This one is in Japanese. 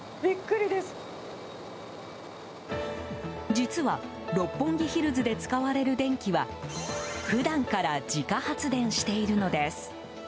実は六本木ヒルズで使われる電気は普段から自家発電しているのです。